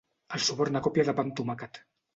El suborna a còpia de pa amb tomàquet.